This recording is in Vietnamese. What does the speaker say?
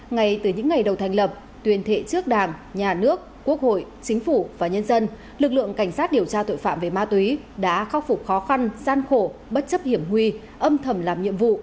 ngay từ những ngày đầu thành lập tuyên thệ trước đảng nhà nước quốc hội chính phủ và nhân dân lực lượng cảnh sát điều tra tội phạm về ma túy đã khắc phục khó khăn gian khổ bất chấp hiểm nguy âm thầm làm nhiệm vụ